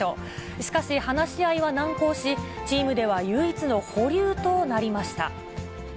しかし話し合いは難航し、チームでは唯一の保留となりました。